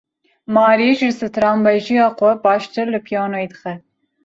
Mary ji stranbêjiya xwe baştir li piyanoyê dixe.